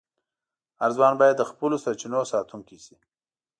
هر ځوان باید د خپلو سرچینو ساتونکی شي.